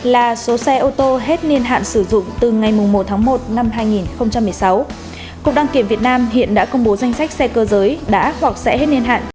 hai mươi chín trăm chín mươi bốn là số xe ô tô hết nhân hạn sử dụng từ ngày một một hai nghìn một mươi sáu cục đăng kiểm việt nam hiện đã công bố danh sách xe cơ giới đã hoặc sẽ hết nhân hạn